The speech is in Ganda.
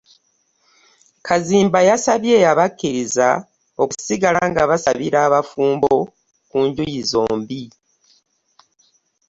Kaziimba yasabye abakkiriza okusigala nga basabira abafumbo ku njuyi zombi